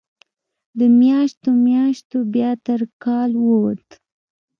د میاشتو، میاشتو بیا تر کال ووته